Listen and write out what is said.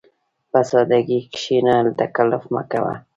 په سادهګۍ کښېنه، تکلف مه کوه.